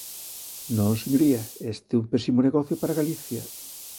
Non, señoría, este é un pésimo negocio para Galicia.